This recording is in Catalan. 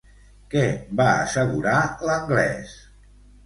Què va assegurar l'anglès?